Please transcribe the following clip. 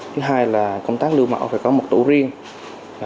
thứ hai là công tác lưu mẫu phải có một tủ riêng